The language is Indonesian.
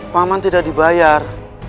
paman tidak dibayar